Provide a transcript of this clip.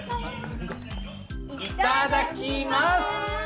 いただきます。